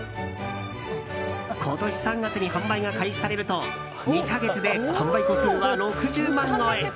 今年３月に販売が開始されると２か月で販売個数は６０万超え。